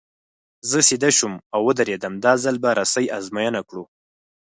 زه سیده شوم او ودرېدم، دا ځل به رسۍ ازموینه کړو.